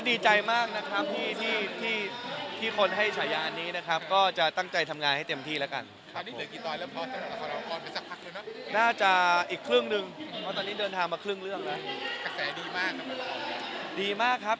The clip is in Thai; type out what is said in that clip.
ดีมากครับดีใจมากเรื่องนี้ก็ทำเต็มที่ด้วยนักแสดงทุกคนก็เต็มที่ด้วยครับ